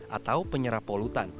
atau penyerap polutan